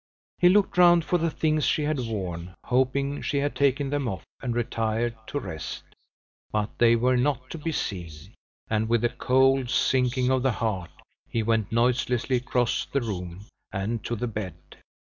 He looked round for the things she had worn, hoping she had taken them off and retired to rest, but they were not to be seen; and with a cold sinking of the heart, he went noiselessly across the room, and to the bed.